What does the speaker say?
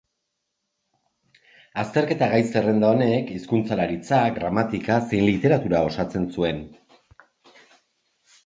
Azterketa gai zerrenda honek hizkuntzalaritza, gramatika, zein literatura osatzen zuen.